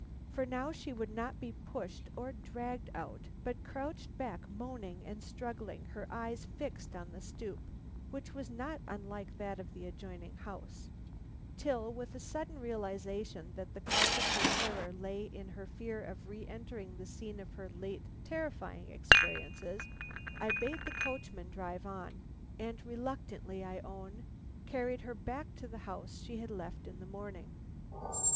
For now she would not be pushed out or dragged out, but crouched back moaning and struggling, her eyes fixed on the stoop, which is not unlike that of the adjoining house; till with a sudden realization that the cause of her terror lay in her fear of re entering the scene of her late terrifying experiences, I bade the coachman drive on, and reluctantly, I own, carried her back to the house she had left in the morning.